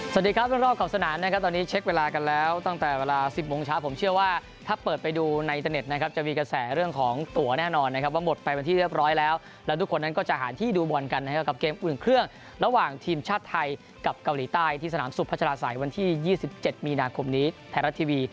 สวัสดีครับรอบขอบสนามนะครับตอนนี้เช็คเวลากันแล้วตั้งแต่เวลา๑๐โมงเช้าผมเชื่อว่าถ้าเปิดไปดูในอินเทอร์เน็ตนะครับจะมีกระแสเรื่องของตัวแน่นอนนะครับว่าหมดไปเป็นที่เรียบร้อยแล้วแล้วทุกคนนั้นก็จะหาที่ดูบอลกันนะครับกับเกมอุ่นเครื่องระหว่างทีมชาติไทยกับเกาหลีใต้ที่สนามสุพัชราศัยวันที่๒๗มีนาคมนี้ไทยรัฐทีวี